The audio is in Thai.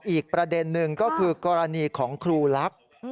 อีกประเด็นหนึ่งก็คือกรณีของครูลับ